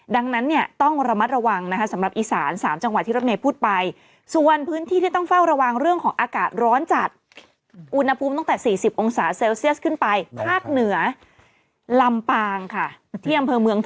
ดังนั้นต้องระมัดระวังสำหรับอีสาน๓จังหวัดที่เราพูดไป